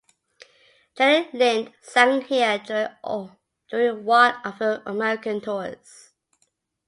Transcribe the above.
Jenny Lind sang here during one of her American tours.